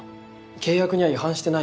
契約には違反してないよね。